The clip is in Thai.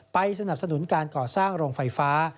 สนับสนุนการก่อสร้างโรงไฟฟ้า